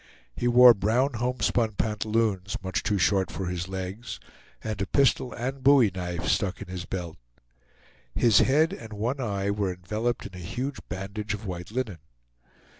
He wore brown homespun pantaloons, much too short for his legs, and a pistol and bowie knife stuck in his belt. His head and one eye were enveloped in a huge bandage of white linen.